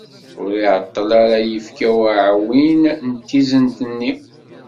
Ur iεeṭṭel ara yekfa uεwin n tizent-nni.